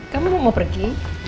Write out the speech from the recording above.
kamu mau pergi